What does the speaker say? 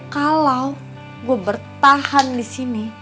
kalo gue bertahan disini